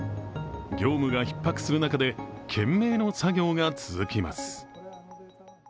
業務がひっ迫する中で、懸命の作業が続きます。